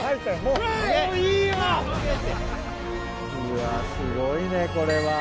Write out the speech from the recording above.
うわすごいねこれは。